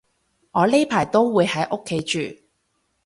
我呢排都會喺屋企住